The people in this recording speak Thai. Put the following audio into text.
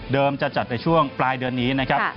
จะจัดในช่วงปลายเดือนนี้นะครับ